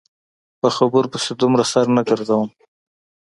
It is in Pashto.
په خبرو پسې دومره سر نه ګرځوم.